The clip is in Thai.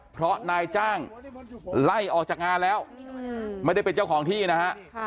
เพราะนายจ้างไล่ออกจากงานแล้วไม่ได้เป็นเจ้าของที่นะฮะ